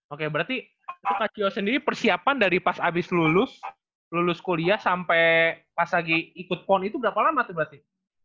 oke berarti itu kak cio sendiri persiapan dari pas abis lulus kuliah sampai pas lagi ikut pon itu berapa lama tuh berarti